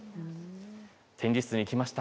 展示室に来ました。